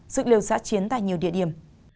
sức lưu giá chiến tại nhiều địa điểm